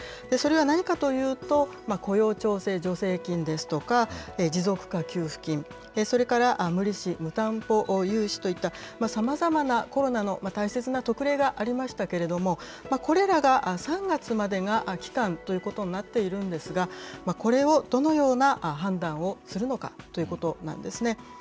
それが何かというと、雇用調整助成金ですとか、持続化給付金、それから無利子無担保融資といった、さまざまなコロナの大切な特例がありましたけれども、これらが３月までが期間ということになっているんですが、これをどのような判断をするのかということなんですね。